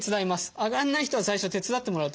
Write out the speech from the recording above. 上がらない人は最初手伝ってもらうと。